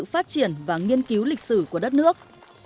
phát triển và nghiên cứu lịch sử của đất nước